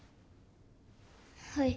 はい。